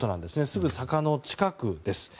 すぐ坂の近くです。